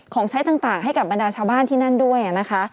ของใช้ต่างให้กับบรรดาชาวบ้านที่นั่นด้วยนะคะ